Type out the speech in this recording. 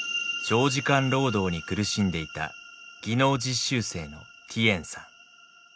長時間労働に苦しんでいた技能実習生のティエンさん。